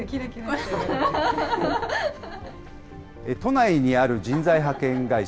都内にある人材派遣会社。